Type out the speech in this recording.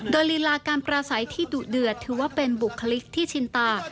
โดยลีลาการประสัยที่ดุเดือดถือว่าเป็นบุคลิกที่ชินตา